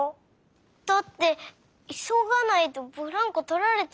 だっていそがないとブランコとられちゃうもん。